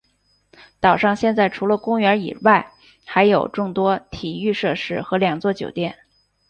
岛上现在除了公园之外还有众多体育设施和两座酒店。